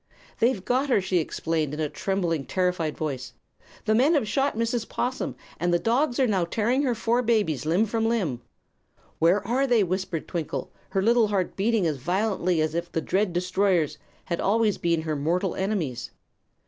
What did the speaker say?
"They've got her!" she exclaimed, in a trembling, terrified voice. "The men have shot Mrs. 'Possum dead, and the dogs are now tearing her four babies limb from limb!" "Where are they?" whispered Twinkle, her little heart beating as violently as if the dread destroyers had always been her mortal enemies.